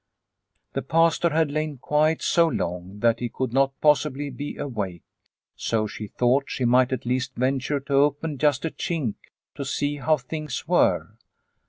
The Pastor had lain quiet so long that he could not possibly be awake, so she thought she might at least venture to open just a chink to see how things were.